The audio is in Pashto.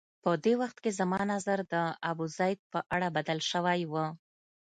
په دې وخت کې زما نظر د ابوزید په اړه بدل شوی و.